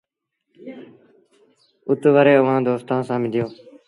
اُتوري اُئآݩ دوستآݩ سآݩ مليو۔